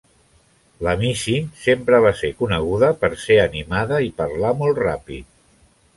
La Missy sempre va ser coneguda per ser animada i parlar molt ràpid.